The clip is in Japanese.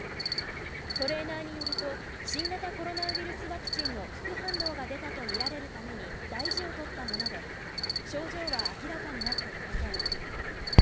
トレーナーによると新型コロナウイルスワクチンの副反応が出たとみられるために大事をとったもので、症状は明らかになっていません。